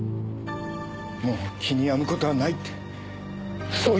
もう気に病む事はないってそう言ってくれたよ。